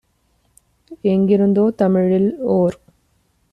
எங்கிருந்தோ தமிழில் - ஓர்